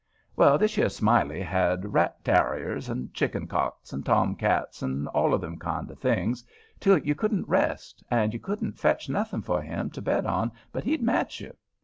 Well, thish yer Smiley had rat tarriers, and chicken cocks, and tom cats and all of them kind of things, till you couldn't rest, and you couldn't fetch nothing for him to bet on but he'd match you.